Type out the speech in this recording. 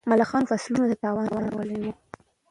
ملخانو فصلونو ته تاوان اړولی و.